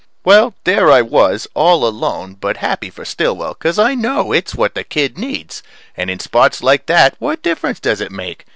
Well, there I was, all alone, but happy for Stillwell, cause I know it's what the kid needs, and in spots like that what difference does it make?